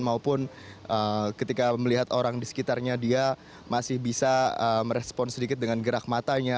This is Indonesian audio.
maupun ketika melihat orang di sekitarnya dia masih bisa merespon sedikit dengan gerak matanya